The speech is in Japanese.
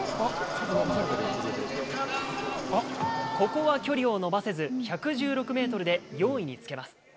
ここは距離を伸ばせず、１１６メートルで４位につけます。